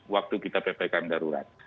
waktu kita ppkm darurat